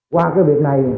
qua cái việc này